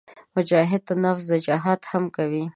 مجاهد د نفس جهاد هم کوي.